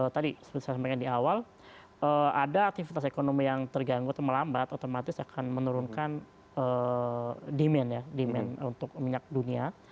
tadi seperti saya sampaikan di awal ada aktivitas ekonomi yang terganggu atau melambat otomatis akan menurunkan demand ya demand untuk minyak dunia